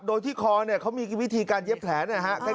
โดยที่คอเนี่ยเขามีวิธีการเย็บแผลนะครับ